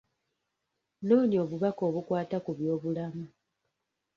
Noonya obubaka obukwata ku by'obulamu.